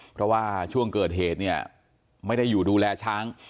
เพราะว่าช่วงเกิดเหตุเนี่ยไม่ได้อยู่ดูแลช้าง